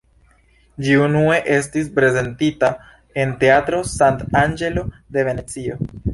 Ĝi unue estis prezentita en Teatro Sant'Angelo de Venecio.